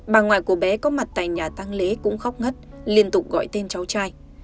bà ngoại của bé có mặt tại nhà tăng lý cũng khóc ngất liên tục gọi tên cháu trai